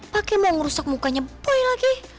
pakai mau ngerusak mukanya boy lagi